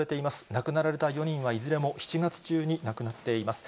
亡くなられた４人はいずれも７月中に亡くなっています。